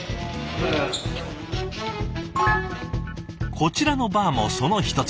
こちらのバーもその１つ。